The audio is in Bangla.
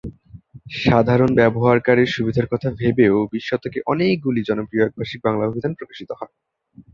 সাধারণ ব্যবহারকারীর সুবিধার কথা ভেবেও বিশ শতকে অনেকগুলি জনপ্রিয় একভাষিক বাংলা অভিধান প্রকাশিত হয়।